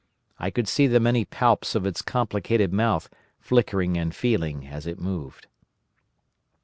I could see the many palps of its complicated mouth flickering and feeling as it moved.